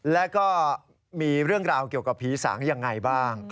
แล้วก็มีเรื่องราวเกี่ยวกับผีสางยังไงบ้าง